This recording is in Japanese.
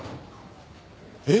えっ？